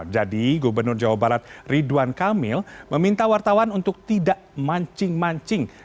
jadi gubernur jawa barat ridwan kamil meminta wartawan untuk tidak mancing mancing